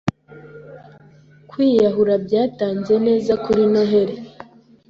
kwiyahura byatanze neza kuri Noheri